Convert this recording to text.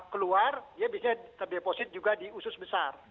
keluar dia bisa terdeposit juga di usus besar